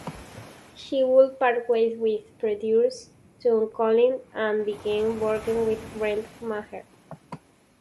She would part ways with producer Tom Collins and begin working with Brent Maher.